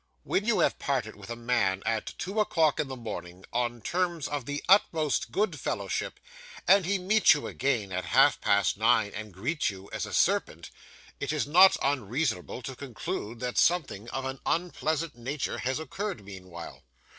When you have parted with a man at two o'clock in the morning, on terms of the utmost good fellowship, and he meets you again, at half past nine, and greets you as a serpent, it is not unreasonable to conclude that something of an unpleasant nature has occurred meanwhile.